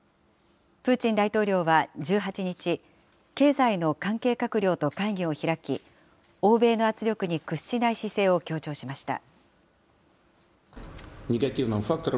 プーチン大統領は１８日、経済の関係閣僚と会議を開き、欧米の圧力に屈しない姿勢を強調しました。